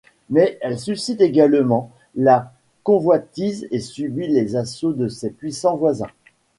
Mais elle suscite également la convoitise et subit les assauts de ses puissants voisins.